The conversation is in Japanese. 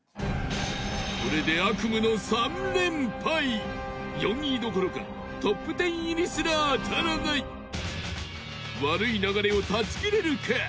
これで悪夢の３連敗４位どころかトップ１０入りすら当たらない悪い流れを断ち切れるか？